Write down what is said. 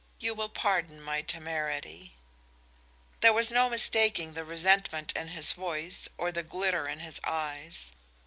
You will pardon my temerity." There was no mistaking the resentment in his voice or the glitter in his eyes.